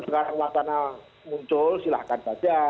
sekarang wacana muncul silahkan saja